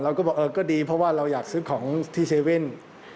เราก็ดีเพราะว่าเราอยากซื้อของที่เซเวนส์